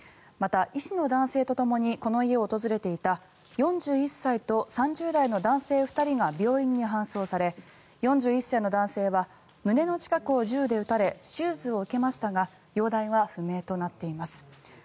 また、医師の男性とともにこの家を訪れていた４１歳と３０代の男性の２人が病院に搬送され４１歳の男性は胸の近くを銃で撃たれ手術を受けましたが容体は不明となっています。